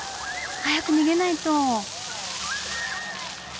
早く逃げないと。